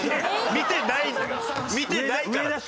見てないから。